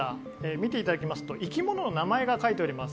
見ていただきますと生き物の名前が書いてあります。